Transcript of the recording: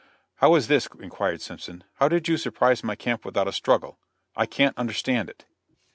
"How is this?" inquired Simpson. "How did you surprise my camp without a struggle? I can't understand it."